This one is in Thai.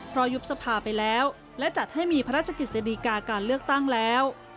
เพราะยุบสภาไปแล้วและจัดให้มีพระราชกฤษฎีกาการเลือกตั้งแล้ว